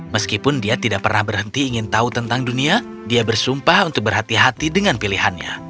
meskipun dia tidak pernah berhenti ingin tahu tentang dunia dia bersumpah untuk berhati hati dengan pilihannya